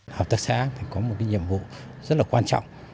hợp tác xã có một nhiệm vụ rất là quan trọng